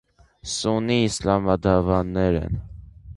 Սուննի իսլամադավաններ են։